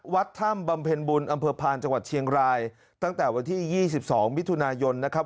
วัดถ้ำบำเพ็ญบุญอำเภอพานจังหวัดเชียงรายตั้งแต่วันที่๒๒มิถุนายนนะครับ